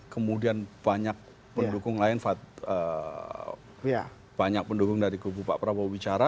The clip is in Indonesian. kemudian banyak pendukung lain banyak pendukung dari kubu pak prabowo bicara